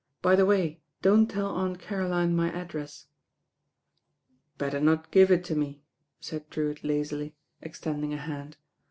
"By the way, don't tell Aunt Caroline my address." "Better not give it to me," said Drewitt lazily, extending a hand.